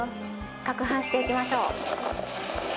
かくはんしていきましょう。